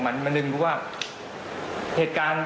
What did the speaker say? มันมีโอกาสเกิดอุบัติเหตุได้นะครับ